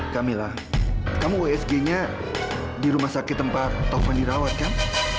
kamila kamu wsg nya di rumah sakit tempat taufan dirawat kan